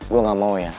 gue gak mau ya